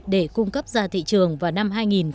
để cung cấp ra thị trường vào năm hai nghìn hai mươi